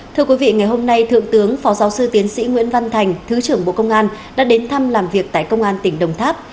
thưa quý vị ngày hôm nay thượng tướng phó giáo sư tiến sĩ nguyễn văn thành thứ trưởng bộ công an đã đến thăm làm việc tại công an tỉnh đồng tháp